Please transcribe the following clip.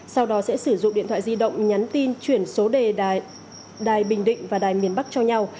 sau đó sẽ sử dụng điện thoại di động nhắn tin chuyển số đề đài bình định và đài miền bắc cho nhau